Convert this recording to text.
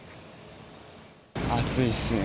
暑いっすね。